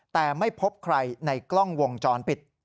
แต่ไม่พบใครในกล้องวงจรปิด